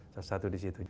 satu satu di situ